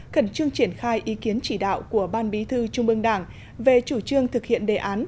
khẩn trương triển khai ý kiến chỉ đạo của ban bí thư trung ương đảng về chủ trương thực hiện đề án